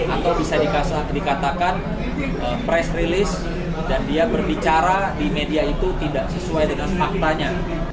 atau bisa dikatakan press release dan dia berbicara di media itu tidak sesuai dengan faktanya